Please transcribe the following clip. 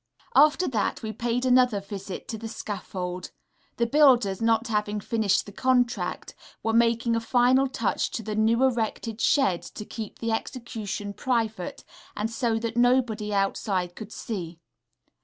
After that we paid another visit to the scaffold; the builders, not having finished the contract, were making a final touch to the new erected shed to keep the execution private, and so that nobody outside could see.